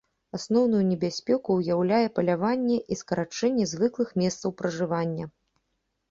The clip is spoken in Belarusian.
Асноўную небяспеку ўяўляе паляванне і скарачэнне звыклых месцаў пражывання.